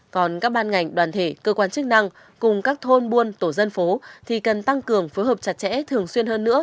còn các ban ngành đoàn thể cơ quan chức năng cùng các thôn buôn tổ dân phố thì cần tăng cường phối hợp chặt chẽ thường xuyên hơn nữa